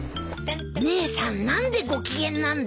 姉さん何でご機嫌なんだ？